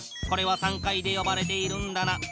これは３階でよばれているんだな。